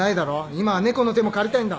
今は猫の手も借りたいんだ。